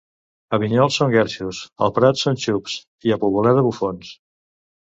A Vinyols són guerxos, al Prat són xups i a Poboleda bufons.